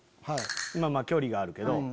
距離があるけど。